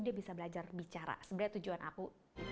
dia bisa belajar bicara sebenarnya tujuan aku